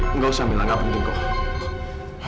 enggak usah mila gak penting kok